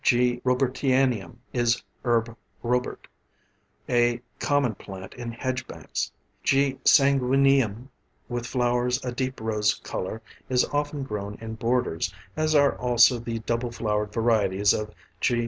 G. Robertianum is herb Robert, a common plant in hedgebanks. G. sanguineum, with flowers a deep rose colour, is often grown in borders, as are also the double flowered varieties of _G.